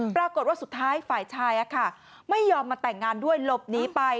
ปรากฏว่าสุดท้ายฝ่ายชายไม่ยอมมาแต่งงานด้วยหลบหนีไป